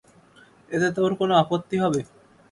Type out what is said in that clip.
এতে তোর কোনো আপত্তি হবে?